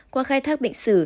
qua khai thác bệnh sử